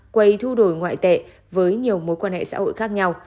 quầy thu đổi ngoại tệ với nhiều mối quan hệ xã hội khác nhau